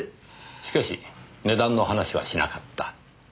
しかし値段の話はしなかった。